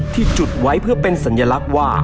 จุดไว้เพื่อเป็นสัญลักษณ์ว่า